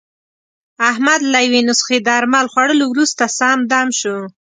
احمد له یوې نسخې درمل خوړلو ورسته، سم دم شو.